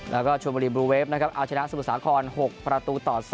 แล้วก็ชวนบุรีบลูเวฟนะครับเอาชนะสมุทรสาคร๖ประตูต่อ๒